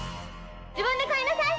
自分で替えなさい！